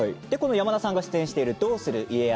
山田さんが出演している「どうする家康」